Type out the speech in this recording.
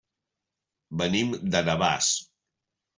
Venim de Navàs.